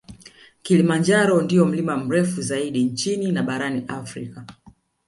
Kilimanjaro ndio mlima mrefu zaidi nchini na barani Afrika